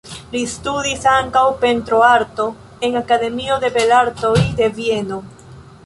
Li studis ankaŭ pentroarton en Akademio de Belartoj de Vieno.